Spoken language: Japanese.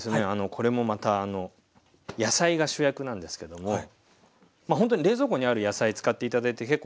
これもまた野菜が主役なんですけどもほんとに冷蔵庫にある野菜使って頂いて結構ですよ。